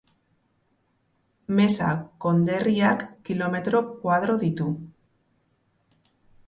Mesa konderriak kilometro koadro ditu.